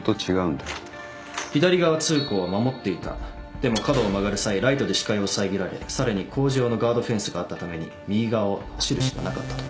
でも角を曲がる際ライトで視界を遮られさらに工事用のガードフェンスがあったために右側を走るしかなかったと。